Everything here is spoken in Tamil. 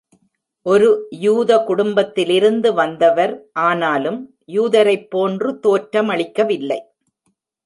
ஒரு யூத குடும்பத்திலிருந்து வந்தவர், ஆனாலும் யூதரைப் போன்று தோற்றமளிக்கவில்லை.